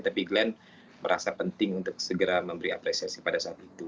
tapi glenn merasa penting untuk segera memberi apresiasi pada saat itu